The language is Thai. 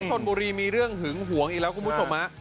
ชนบุรีมีเรื่องหึงหวงอีกแล้วคุณผู้ชมฮะ